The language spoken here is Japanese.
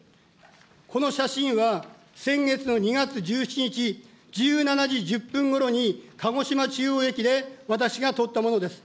この写真は先月の２月１７日１７時１０分ごろに、鹿児島中央駅で、私が撮ったものです。